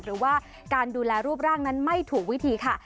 หรือว่าการดูแลรูปร่างนั้นไม่ถูกวิธีค่ะ